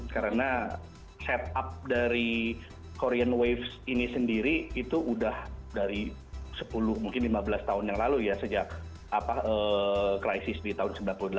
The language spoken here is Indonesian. karena setup dari korean waves ini sendiri itu sudah dari sepuluh mungkin lima belas tahun yang lalu ya sejak krisis di tahun sembilan puluh delapan